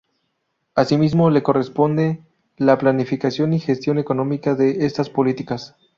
Asimismo, le corresponde la planificación y gestión económica de estas políticas.